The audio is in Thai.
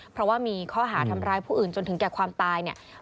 เพราะว่ามีข้อหาทำร้ายผู้อื่นจนถึงแก่ความตายเนี่ย